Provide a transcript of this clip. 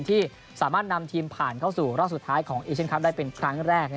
ที่สามารถนำทีมผ่านเข้าสู่รอบสุดท้ายของเอเชียนคลับได้เป็นครั้งแรก